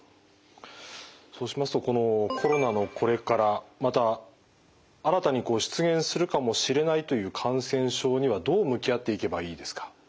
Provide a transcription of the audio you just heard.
そうしますとこのコロナのこれからまた新たに出現するかもしれないという感染症にはどう向き合っていけばいいですか？